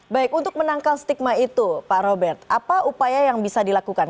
baik untuk menangkal stigma itu pak robert apa upaya yang bisa dilakukan